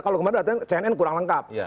kalau kemarin cnn kurang lengkap